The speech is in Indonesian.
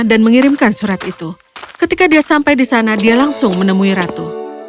dan mengirimkan surat itu ketika dia sampai di sana dia langsung menemui ratu